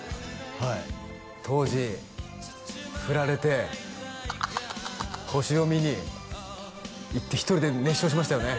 はい当時フラれて星を見に行って１人で熱唱しましたよね？